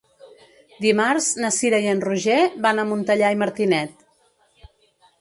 Dimarts na Cira i en Roger van a Montellà i Martinet.